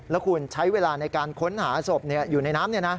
แล้วคุณใช้เวลาในการค้นหาศพอยู่ในน้ำ